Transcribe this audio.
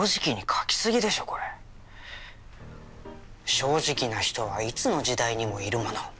正直な人はいつの時代にもいるもの。